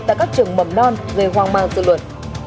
tại các trường mầm non gây hoang mang dự luận